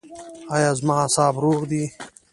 ایا زما اعصاب روغ دي؟